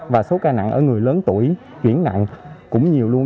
và số ca nặng ở người lớn tuổi chuyển nặng cũng nhiều luôn